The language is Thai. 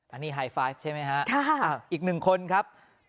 อันนี้ไฮไฟฟ์ใช่ไหมฮะอีก๑คนครับค่ะ